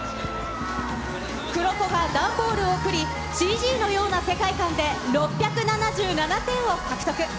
黒子が段ボールを振り、ＣＧのような世界観で、６７７点を獲得。